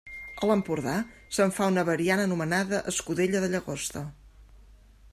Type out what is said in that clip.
A l'Empordà se'n fa una variant anomenada escudella de llagosta.